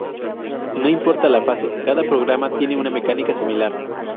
No importa la fase, cada programa tiene una mecánica similar.